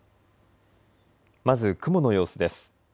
まず雲の様子です。